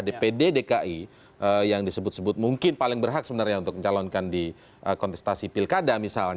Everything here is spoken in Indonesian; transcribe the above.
dpd dki yang disebut sebut mungkin paling berhak sebenarnya untuk mencalonkan di kontestasi pilkada misalnya